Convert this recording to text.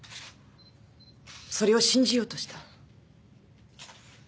それを信じようとした。